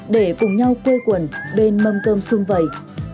để cùng nhau quê quần bên mâm cơm xung vầy